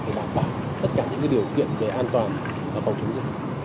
để đảm bảo tất cả những điều kiện về an toàn và phòng chống dịch